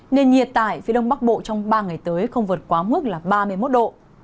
nền nhiệt tại phía đông bắc bộ trong ba ngày tới không vượt quá mức là ba mươi một độ